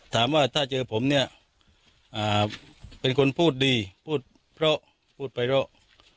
ถามว่าถ้าเจอผมเนี่ยเป็นคนพูดดีพูดเพราะพูดไปเพราะ